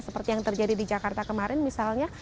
seperti yang terjadi di jakarta kemarin misalnya